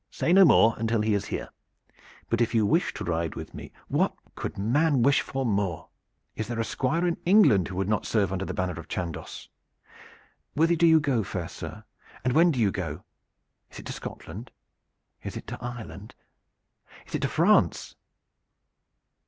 Say no more until he is here. But if you wish to ride with me " "What could man wish for more? Is there a Squire in England who would not serve under the banner of Chandos! Whither do you go, fair sir? And when do you go? Is it to Scotland? Is it to Ireland? Is it to France?